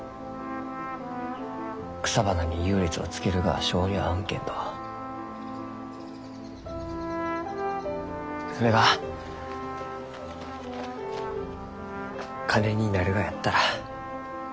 草花に優劣をつけるがは性に合わんけんどそれが金になるがやったら。